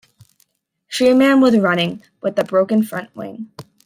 Firman was running with a broken front wing.